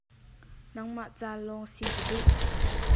Nangmah ca lawng si ka duh.